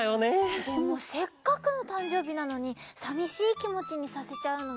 でもせっかくのたんじょうびなのにさみしいきもちにさせちゃうのもね。